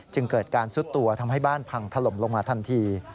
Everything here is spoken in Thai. จึงเกิดการซุดตัวทำให้บ้านพังถล่มลงมาทันที